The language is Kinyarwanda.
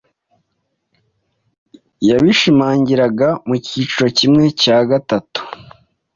yabishimangiraga mu cyiciro kimwe cya gatatu